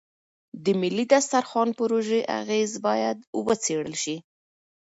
د ملي دسترخوان پروژې اغېز باید وڅېړل شي.